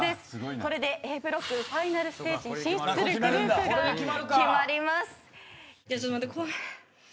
これでＡブロックファイナルステージに進出するグループが決まります。